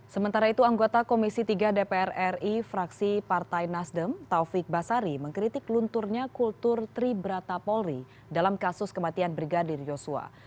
sementara itu anggota komisi tiga dpr ri fraksi partai nasdem taufik basari mengkritik lunturnya kultur tribrata polri dalam kasus kematian brigadir yosua